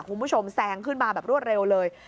คุณผู้ชมแซงขึ้นมาแบบรวดเร็วเลย